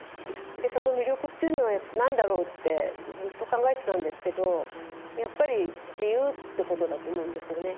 その魅力というのは何だろうってずっと考えてたんですけどやっぱり自由ということだと思うんですよね。